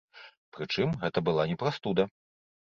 Прычым, гэта была не прастуда.